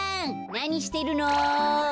なにしてるの？